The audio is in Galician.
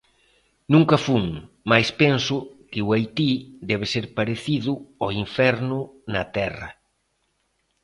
Nunca fun, mais penso que o Haití debe ser parecido ao inferno na Terra